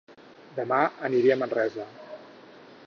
Dema aniré a Manresa